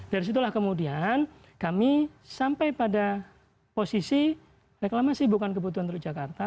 dari situlah kemudian kami sampai pada posisi reklamasi bukan kebutuhan teluk jakarta